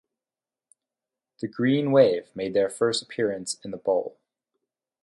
The Green Wave made their first appearance in the bowl.